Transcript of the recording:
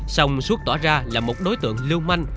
xong xuất tỏ ra là một đối tượng lưu manh